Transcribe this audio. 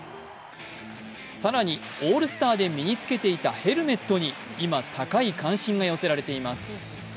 更にオールスターで身に着けていたヘルメットに今、高い関心が寄せられています。